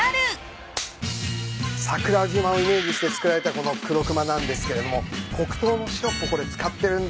桜島をイメージして作られたこの黒熊なんですけれども黒糖のシロップをこれ使ってるんですね。